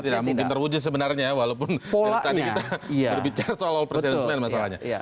tidak mungkin terwujud sebenarnya ya walaupun tadi kita berbicara soal all president men masalahnya